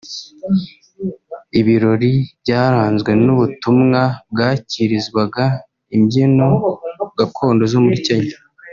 Ibirori byaranzwe n’ubutumwa bwakirizwaga imbyino gakondo zo muri Kenya